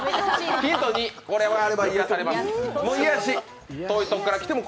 ヒント２、これがあれば癒やされます。